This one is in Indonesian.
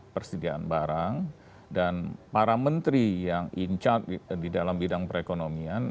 persediaan barang dan para menteri yang in charge di dalam bidang perekonomian